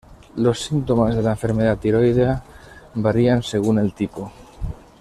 Los síntomas de la enfermedad tiroidea varían según el tipo.